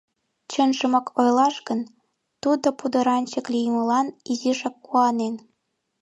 Чынжымак ойлаш гын, тудо пудыранчык лиймылан изишак куанен.